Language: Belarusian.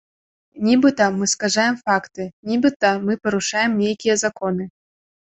Нібыта мы скажаем факты, нібыта мы парушаем нейкія законы.